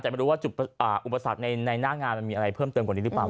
แต่ไม่รู้ว่าจุดอุปสรรคในหน้างานมันมีอะไรเพิ่มเติมกว่านี้หรือเปล่า